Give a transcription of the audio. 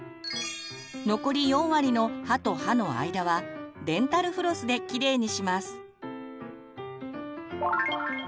残り４割の歯と歯の間はデンタルフロスできれいにします。